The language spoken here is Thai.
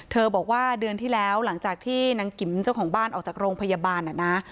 บอกว่าเดือนที่แล้วหลังจากที่นางกิ๋มเจ้าของบ้านออกจากโรงพยาบาลน่ะนะ